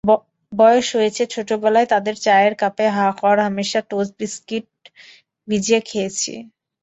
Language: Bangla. বয়স হয়েছে, ছোটবেলায় তাঁদের চায়ের কাপে হরহামেশা টোস্ট বিস্কুট ভিজিয়ে খেয়েছি।